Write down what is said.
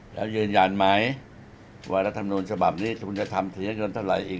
แล้วยืนยันไหมว่ารัฐมนุนฉบับนี้คุณจะทำเสียเงินเท่าไหร่เอง